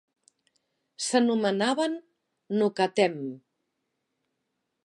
S'anomenaven "nukatem".